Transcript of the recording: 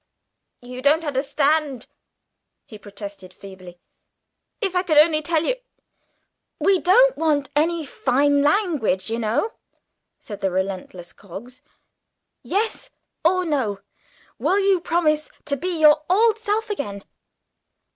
"You don't understand," he protested feebly. "If I could only tell you " "We don't want any fine language, you know," said the relentless Coggs. "Yes or no. Will you promise to be your old self again?"